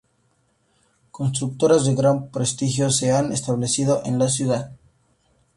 Constructoras de gran prestigio se han establecido en la ciudad.